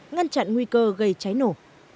ngăn chặn nguy cơ gây cháy nổ